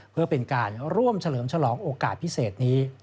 เพื่อเป็นการร่วมเฉลิมฉลองโอกาสพิเศษนี้